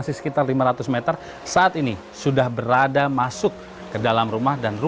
salah satunya adalah milik rus joyo